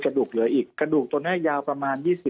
กระดูกเหลืออีกกระดูกตัวนี้ยาวประมาณ๒๐